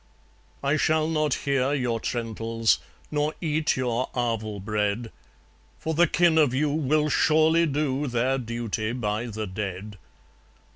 I shall not hear your trentals, Nor eat your arval bread; For the kin of you will surely do Their duty by the dead.